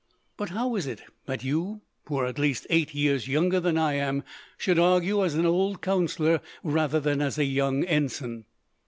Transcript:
"But how is it that you, who are at least eight years younger than I am, should argue as an old counsellor rather than a young ensign?"